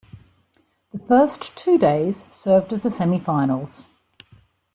The first two days served as a semi-finals.